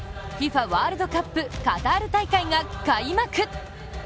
ワールドカップカタール大会が開幕。